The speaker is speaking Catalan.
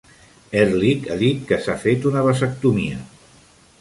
Ehrlich ha dit que s'ha fet una vasectomia.